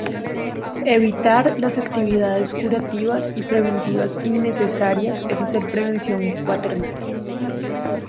Evitar las actividades curativas y preventivas innecesarias es hacer prevención cuaternaria.